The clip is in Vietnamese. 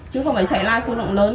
chứ không phải chạy live xuống động lớn